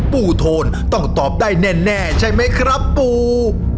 โทนต้องตอบได้แน่ใช่ไหมครับปู